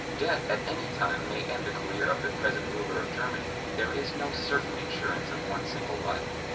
Death at any time may end the career of the present ruler of Germany there is no certain insurance of one single life.